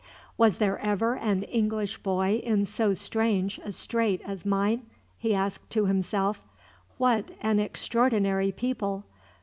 "Was there ever an English boy in so strange a strait as mine?" he said to himself. "What an extraordinary people!